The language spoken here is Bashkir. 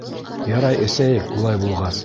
Ярай, эсәйек улай булғас...